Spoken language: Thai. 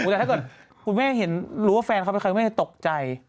แต่ถ้าเกิดคุณแม่เห็นรู้ว่าแฟนเขาเป็นใครคุณแม่จะตกใจ